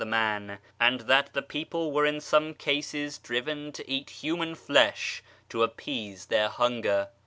the man, and that tlie people were in some cases driven to eat human flesh to appease their hunger.